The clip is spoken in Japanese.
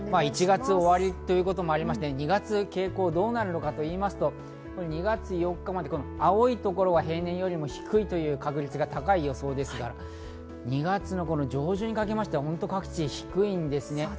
１月終わりということもありまして２月の傾向、どうなるかと言いますと、２月４日まで青いところは平年より低いという確率が高い予想ですが、２月上旬にかけては各地、低いんですね。